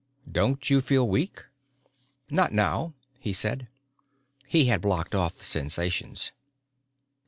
"Don't you feel weak?" "Not now," he said. He had blocked off the sensations.